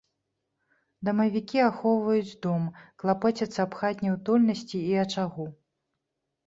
Дамавікі ахоўваюць дом, клапоцяцца аб хатняй утульнасці і ачагу.